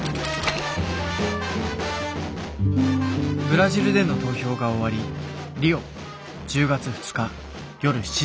ブラジルでの投票が終わりリオ１０月２日夜７時半。